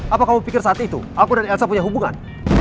apa kamu pikir saat itu aku dan elsa punya hubungan